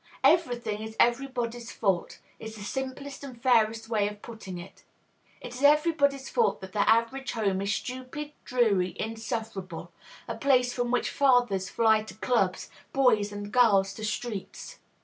Every thing is everybody's fault is the simplest and fairest way of putting it. It is everybody's fault that the average home is stupid, dreary, insufferable, a place from which fathers fly to clubs, boys and girls to streets.